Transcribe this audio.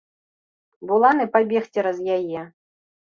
Буланы пабег цераз яе.